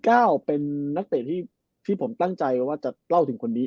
ก้าวเป็นนักเตะที่ผมตั้งใจว่าจะเล่าถึงคนนี้